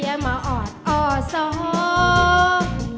เฮียมาออดออสอบ